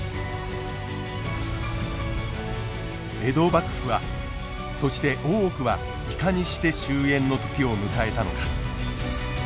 江戸幕府はそして大奥はいかにして終えんの時を迎えたのか。